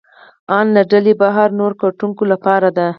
ان له ډلې بهر نورو کتونکو لپاره ده.